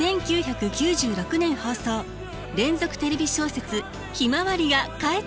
１９９６年放送連続テレビ小説「ひまわり」が帰ってくる。